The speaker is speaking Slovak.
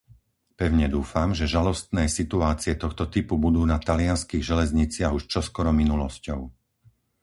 Pevne dúfam, že žalostné situácie tohto typu budú na talianskych železniciach už čoskoro minulosťou.